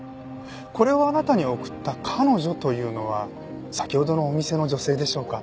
これをあなたに贈った彼女というのは先ほどのお店の女性でしょうか？